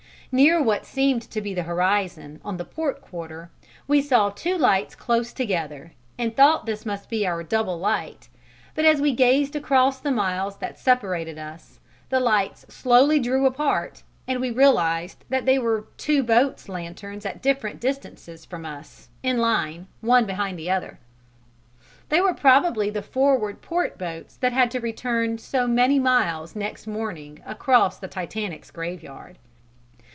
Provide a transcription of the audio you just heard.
Near what seemed to be the horizon on the port quarter we saw two lights close together, and thought this must be our double light; but as we gazed across the miles that separated us, the lights slowly drew apart and we realized that they were two boats' lanterns at different distances from us, in line, one behind the other. They were probably the forward port boats that had to return so many miles next morning across the Titanic's graveyard.